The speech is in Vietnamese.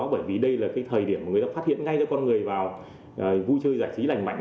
bởi vì đây là cái thời điểm mà người ta phát hiện ngay giữa con người vào vui chơi giải trí lành mạnh